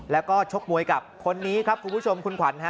แล้วก็ชกมวยกับคนนี้ครับคุณผู้ชมคุณขวัญฮะ